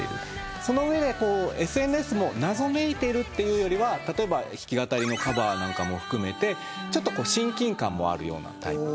その上でＳＮＳも謎めいているっていうよりは例えば弾き語りのカバーも含めてちょっと親近感もあるようなタイプ。